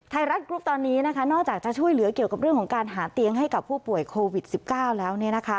ไทยรัฐกรุ๊ปตอนนี้นะคะนอกจากจะช่วยเหลือเกี่ยวกับเรื่องของการหาเตียงให้กับผู้ป่วยโควิด๑๙แล้ว